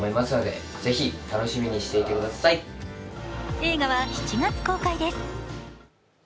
映画は７月公開です。